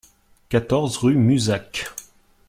quatorze rue Muzac